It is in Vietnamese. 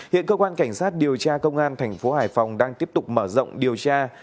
hiện cơ quan cảnh sát điều tra công an thành phố hải phòng đang tiếp tục mở rộng điều tra